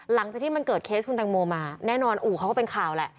หลังจากที่มันเกิดเคสคุณแตงโมมาแน่นอนอู่เขาก็เป็นข่าวแหละ